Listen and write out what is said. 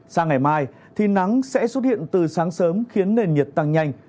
sang ngày mai thì nắng sẽ xuất hiện từ sáng sớm khiến nền nhiệt tăng nhanh